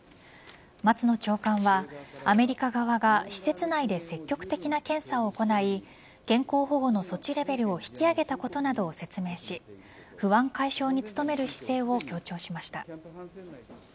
松野長官はアメリカ側が施設内で積極的な検査を行い健康保護の措置レベルを引き上げたことなどを説明し不安解消に努める姿勢を強調しました。